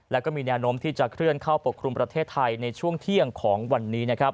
และมีแนะนำที่จะเคลื่อนเข้าปกครุมประเทศไทยในช่วงเที่ยงของวันนี้